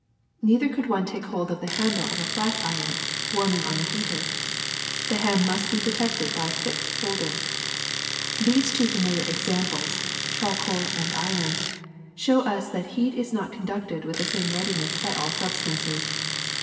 Neither could one take hold of the handle of a flat iron warm ing on the heater. The hand must be protected by a thick holder. ''These two familiar examples, charcoal and iron, show us that heat is not conducted with the same readiness by all substances.